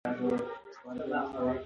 یو چوپان موږ ته لاره وښودله.